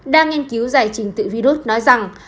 đang nghiên cứu giải trình tự virus nói rằng